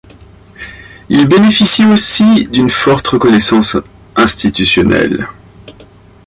Il bénéficie aussi d'une forte reconnaissance institutionnelle.